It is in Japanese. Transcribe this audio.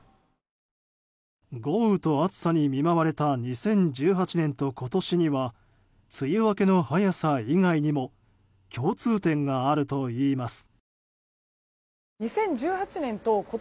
豪雨と暑さに見舞われた２０１８年と今年には梅雨明けの早さ以外にも共通点があるといいます。